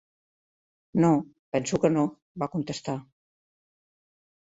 "No, penso que no", va contestar.